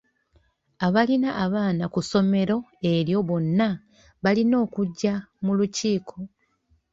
Abalina abaana ku ssomero eryo bonna balina okujja mu lukiiko.